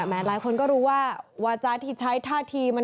หลายคนก็รู้ว่าวาจาที่ใช้ท่าที